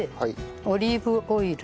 オリーブオイル。